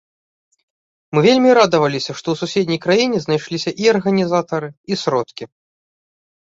Мы вельмі радаваліся што ў суседняй краіне знайшліся і арганізатары і сродкі.